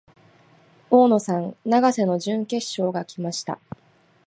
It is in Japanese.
大野さん、永瀬の準決勝が来ました。